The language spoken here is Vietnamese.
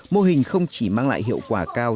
mô hình không chỉ mang lại hiệu quả cao